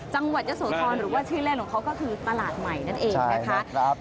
จังหวัดยะโสธรหรือว่าชื่อเล่นของเขาก็คือตลาดใหม่นั่นเองนะคะ